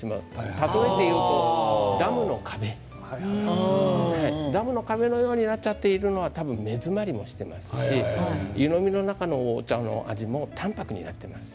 例えて言うとダムの壁のようになっているのは目詰まりもしていますし湯飲みの中のお茶の味も淡泊になっています。